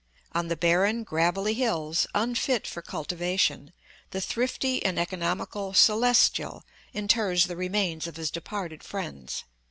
On the barren, gravelly hills, unfit for cultivation, the thrifty and economical Celestial inters the remains of his departed friends.